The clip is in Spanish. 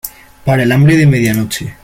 para el hambre de medianoche.